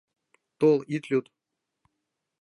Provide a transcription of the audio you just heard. Тол, ит лӱд!